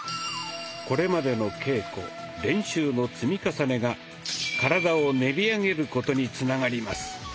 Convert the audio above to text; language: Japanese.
これまでの稽古練習の積み重ねが体を練り上げることにつながります。